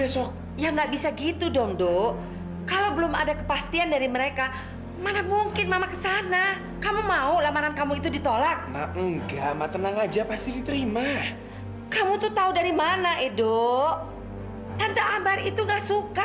sampai jumpa di video selanjutnya